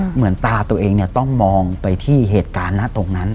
เหมือนตาตัวเองเนี่ยต้องมองไปที่เหตุการณ์ตรงนั้น